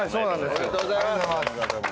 おめでとうございます。